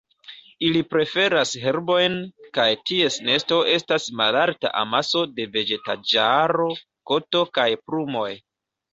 Ili preferas herbojn, kaj ties nesto estas malalta amaso de vegetaĵaro, koto kaj plumoj.